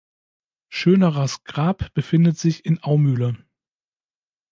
Schönerers Grab befindet sich in Aumühle.